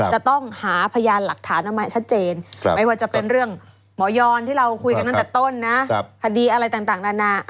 หมายถึง